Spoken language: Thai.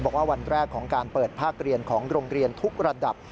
วันแรกของการเปิดภาคเรียนของโรงเรียนทุกระดับ